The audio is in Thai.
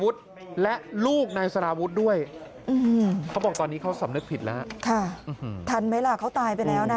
อ๋อตกใจ